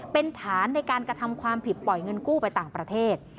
เป็นฐานในการกระทำความผิดปล่อยเงินกู้ไปต่างประเทศ